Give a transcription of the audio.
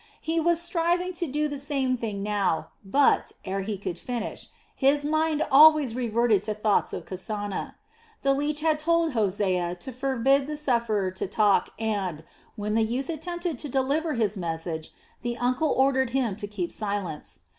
He was striving to do the same thing now but, ere he could finish, his mind always reverted to thoughts of Kasana. The leech had told Hosea to forbid the sufferer to talk and, when the youth attempted to deliver his message, the uncle ordered him to keep silence.